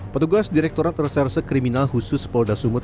petugas direkturat reserse kriminal khusus polda sumut